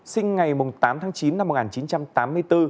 sinh ngày tám tháng chín năm một nghìn chín trăm tám mươi bốn